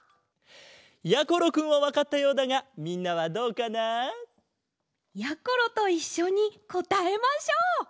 やころくんはわかったようだがみんなはどうかな？やころといっしょにこたえましょう！